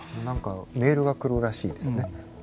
何かメールが来るらしいですね。